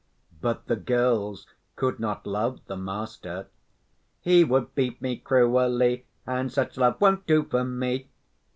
But the girls could not love the master: He would beat me cruelly And such love won't do for me.